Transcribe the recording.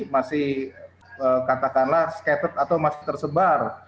masih katakanlah skated atau masih tersebar